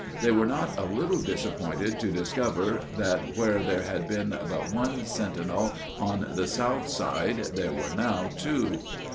They were not a little disappointed to discover that where there had been but one sentinel on the south side there were now two.